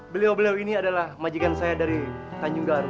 beliau beliau ini adalah majikan saya dari tanjung garut